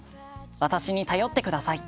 私に頼ってください。